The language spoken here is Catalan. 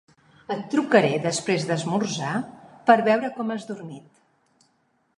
Et trucaré després d'esmorzar per veure com has dormit.